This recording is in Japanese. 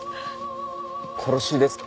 殺しですか？